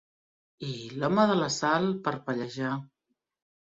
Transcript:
I l'home de la sal parpellejà.